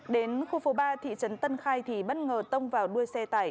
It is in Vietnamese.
đến khu phố ba thị trấn tân khai thì bất ngờ tông vào đuôi xe tải